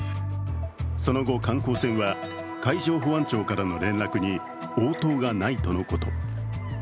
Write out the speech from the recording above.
その後、観光船は海上保安庁からの連絡に応答がないとのこと。